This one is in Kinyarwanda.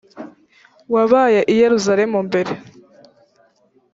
wabaye i yerusalemu mbere